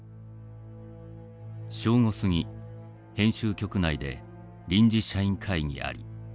「正午すぎ編集局内で臨時社員会議あり。